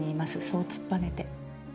そう突っぱねて。